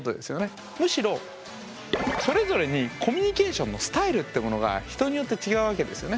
むしろそれぞれにコミュニケーションのスタイルってものが人によって違うわけですよね。